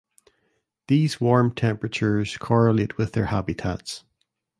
These warm temperatures correlate with their habitats.